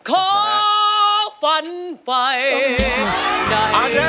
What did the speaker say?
ขอฝันไฟในฝันไฟ